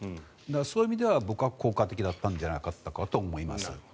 そういう意味では僕は効果的だったんじゃないかと思います。